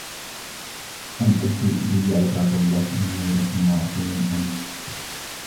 أن أدوا إلي عباد الله إني لكم رسول أمين